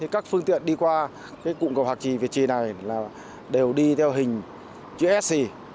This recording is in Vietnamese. các phương tiện đi qua cụm cầu hạc trì việt trì này đều đi theo hình chữ sc